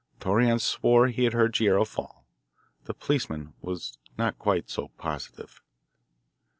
Torreon swore he had heard Guerrero fall; the policeman was not quite so positive.